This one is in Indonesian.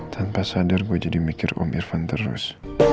tanpa sadar gue jadi mikir om irfan terus